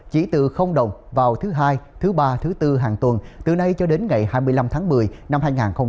chỉ từ đồng vào thứ hai thứ ba thứ bốn hàng tuần từ nay cho đến ngày hai mươi năm tháng một mươi năm hai nghìn hai mươi